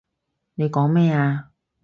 你講咩啊？